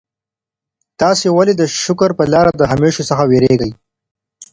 تاسي ولي د شکر پر لاره له همېشهو څخه وېرېږئ؟